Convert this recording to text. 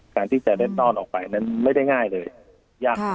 การที่จะเล่นต้อนออกไปนั้นไม่ได้ง่ายเลยยากมาก